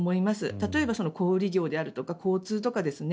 例えば小売業であるとか交通とかですね。